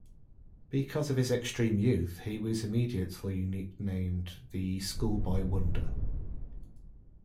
Because of his extreme youth, he was immediately nicknamed "The Schoolboy Wonder".